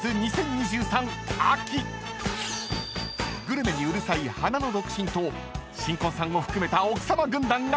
［グルメにうるさい花の独身と新婚さんを含めた奥様軍団が挑みます］